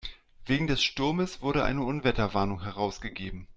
Wegen des Sturmes wurde eine Unwetterwarnung herausgegeben.